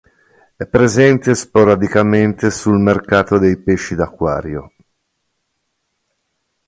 È presente sporadicamente sul mercato dei pesci d'acquario.